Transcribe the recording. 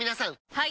はい！